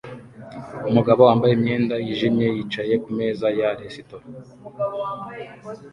Umugabo wambaye imyenda yijimye yicaye kumeza ya resitora